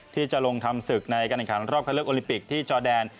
ที่จะลงทำศึกในการแข่งขันรอบคันเลือกโอลิปิกที่จอแดน